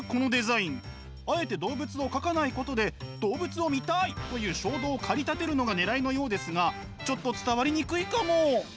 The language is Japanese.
あえて動物を描かないことで「動物を見たい！」という衝動を駆り立てるのがねらいのようですがちょっと伝わりにくいかも。